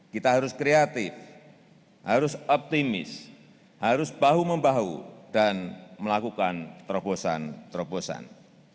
kita harus kreatif harus optimis harus bahu membahu dan melakukan terobosan terobosan